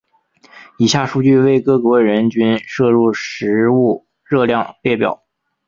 以下数据为各国人均摄入食物热量列表。